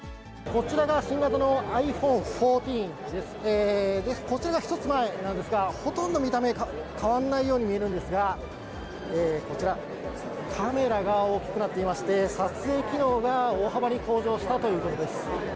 こちらが１つ前なんですが、ほとんど見た目、変わらないように見えるんですが、こちら、カメラが大きくなっていまして、撮影機能が大幅に向上したということです。